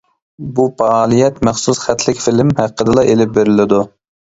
بۇ پائالىيەت مەخسۇس خەتلىك فىلىم ھەققىدىلا ئېلىپ بېرىلىدۇ.